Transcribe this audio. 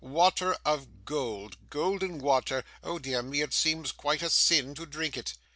Water of gold, golden water! O dear me, it seems quite a sin to drink it!